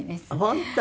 本当。